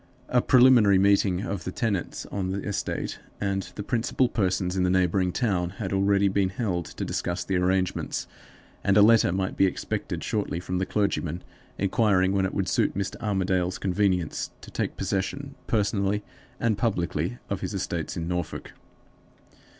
A preliminary meeting of the tenants on the estate and the principal persons in the neighboring town had already been held to discuss the arrangements, and a letter might be expected shortly from the clergyman inquiring when it would suit Mr. Armadale's convenience to take possession personally and publicly of his estates in Norfolk.